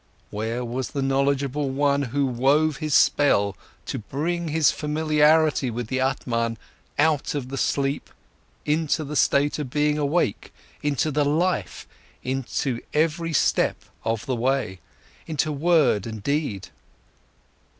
Where was the knowledgeable one who wove his spell to bring his familiarity with the Atman out of the sleep into the state of being awake, into the life, into every step of the way, into word and deed?